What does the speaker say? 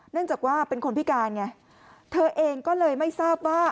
เนื่องจากว่าเป็นคนพิการไงเธอเองก็เลยไม่ทราบว่า